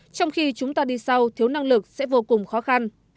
trong khi chúng ta đi sau thiếu năng lực sẽ vô cùng khó khăn